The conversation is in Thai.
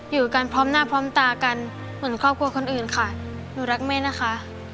อยู่กันพร้อมหน้าพร้อมตากันเหมือนครอบครัวคนอื่นค่ะหนูรักแม่นะคะ